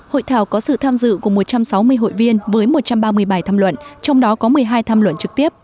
hội thảo có sự tham dự của một trăm sáu mươi hội viên với một trăm ba mươi bài tham luận trong đó có một mươi hai tham luận trực tiếp